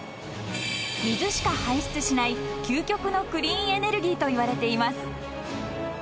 ［水しか排出しない究極のクリーンエネルギーといわれています］